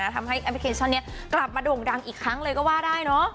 ทำให้แอปพลิเคชันนี้กลับมาโด่งดังอีกครั้งเลยก็ว่าได้เนอะ